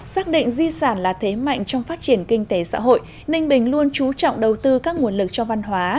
xác định di sản là thế mạnh trong phát triển kinh tế xã hội ninh bình luôn trú trọng đầu tư các nguồn lực cho văn hóa